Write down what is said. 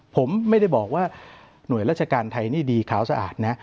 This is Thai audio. ผมไม่ได้บอกว่าหน่วยราชการไทยนี่ดีขาวสะอาดนะ